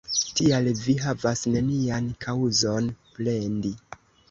Tial vi havas nenian kaŭzon plendi.